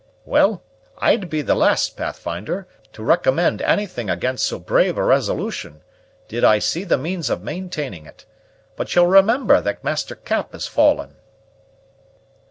"Well, I'd be the last, Pathfinder, to recommend anything against so brave a resolution, did I see the means of maintaining it. But ye'll remember that Master Cap has fallen."